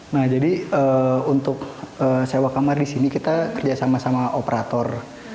nah jadi untuk sewa kamar di sini kita kerjasama sama operator